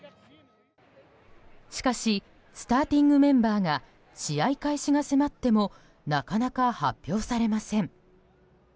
しかしスターティングメンバーが試合開始が迫ってもなかなか発表されません。